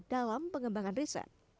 dalam pengembangan riset